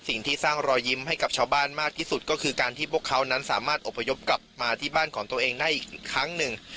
สิ่งที่สร้างรอยยิ้มให้กับชาวบ้านมากที่สุดก็คือการที่พวกเขานั้นสามารถอบพยพกลับมาที่บ้านของตัวเองได้อีกครั้งหนึ่ง